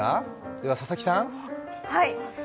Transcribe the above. では佐々木さん？